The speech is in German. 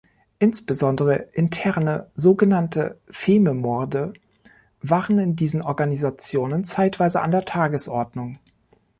Insbesondere interne sogenannte "Fememorde" waren in diesen Organisationen zeitweise an der Tagesordnung.